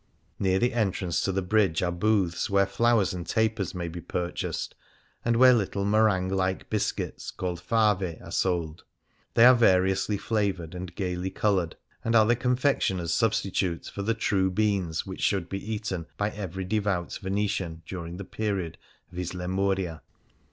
Near the entrance to the brids^e are booths where flowers and tapers may be purchased, and where little meringue like biscuits called fave are sold. They are variously flavoured and gaily coloured, and are the confectioner's substi tute for the true beans which should be eaten by every devout Venetian during the period of his Lemur la.